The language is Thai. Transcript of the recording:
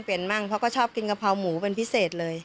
เขาก็ชอบกินกะพร้าวหมูเป็นพิเศษเลย